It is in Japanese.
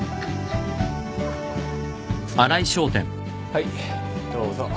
はいどうぞ。